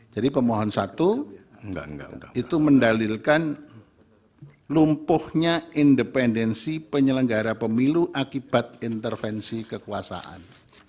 jadi pemohon satu itu mendalilkan lumpuhnya independensi penyelenggara pemilu akibat intervensi kekuasaan